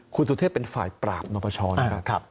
คุณสุทธิพย์เป็นฝ่ายปราบนอปชอนะครับ